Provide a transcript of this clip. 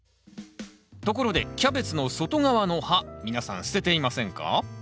ところでキャベツの外側の葉皆さん捨てていませんか？